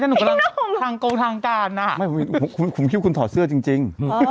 นั่นหนูกำลังทางโกทางการน่ะไม่ผมคิดว่าคุณถอดเสื้อจริงจริงอ๋อ